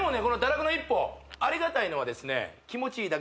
この堕落の一歩ありがたいのはですね